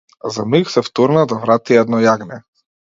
За миг се втурна да врати едно јагне.